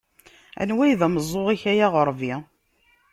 Anwa ay d ameẓẓuɣ-ik a yaɣerbi?